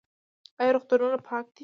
آیا روغتونونه پاک دي؟